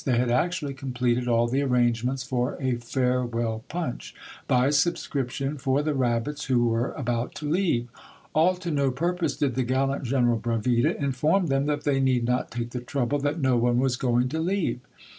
They had actually completed all the arrangements for a farewell punch, by subscription, for the rabbits who were about to leave ! All to no purpose did the gallant General Bravida inform them that they need not take the trouble, that no one was going to leave.